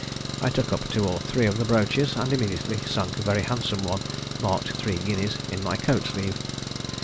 I took up two or three of the brooches, and immediately sunk a very handsome one, marked three guineas, in my coat sleeve.